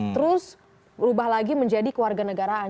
terus berubah lagi menjadi keluarga negaraan